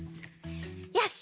よし。